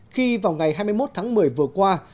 khi vào ngày hai mươi một tháng một mươi vừa qua